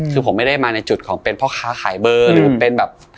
คือผมไม่ได้มาในจุดของเป็นพ่อค้าขายเบอร์หรือเป็นแบบ